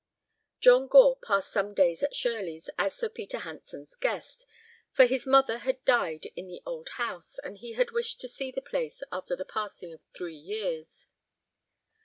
John Gore passed some days at Shirleys as Sir Peter Hanson's guest, for his mother had died in the old house, and he had wished to see the place after the passing of three years.